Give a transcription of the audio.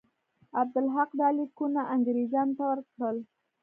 عبدالحق دا لیکونه انګرېزانو ته ورکړل.